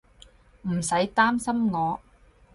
唔使擔心我